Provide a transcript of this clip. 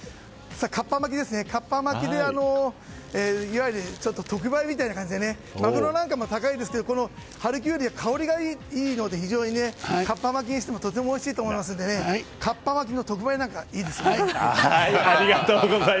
かっぱ巻きで特売みたいな感じでマグロなんかも高いですが春キュウリは香りがいいのでかっぱ巻きにしてもとてもおいしいと思いますのでかっぱ巻きの特売なんかいいですね！